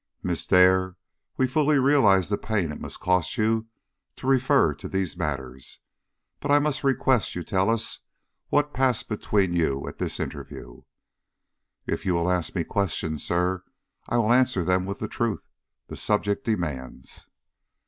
"Miss Dare, we fully realize the pain it must cost you to refer to these matters, but I must request you to tell us what passed between you at this interview?" "If you will ask me questions, sir, I will answer them with the truth the subject demands."